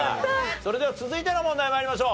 それでは続いての問題参りましょう。